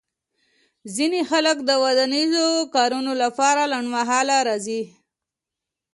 ځینې خلک د ودانیزو کارونو لپاره لنډمهاله راځي